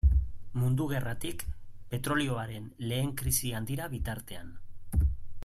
Mundu Gerratik petrolioaren lehen krisi handira bitartean.